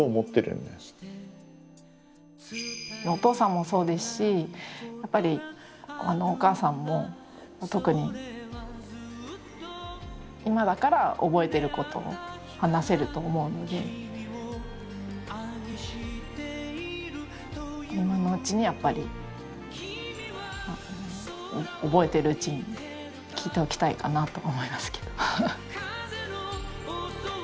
お父さんもそうですしやっぱりお母さんも特に今だから覚えてることを話せると思うので今のうちにやっぱり覚えてるうちに聞いておきたいかなと思いますけど。